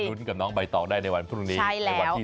รุ้นกับน้องใบตอบได้ในวันพรุ่งนี้